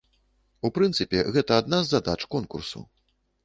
У прынцыпе, гэта адна з задач конкурсу.